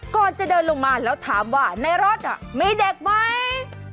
ก่อนจะเดินลงมาแล้วถามว่าในรถมีเด็กไหม